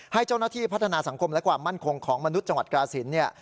ให้เจ้าหน้าที่พัฒนาสังคมและความมั่นคงของมนุษย์จังหวัดกราศิลป์เนี่ย